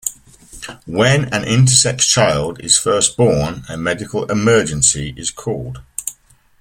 When an intersex child is first born, a "medical emergency" is called.